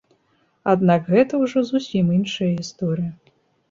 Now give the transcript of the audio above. Аднак гэта ўжо зусім іншая гісторыя.